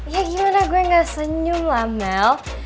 ya gimana gue gak senyum lah mel